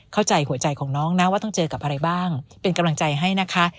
เข้าใจหัวใจของน้องนะว่าต้องเจอกับอะไรบ้างเป็นกำลังใจให้นะคะ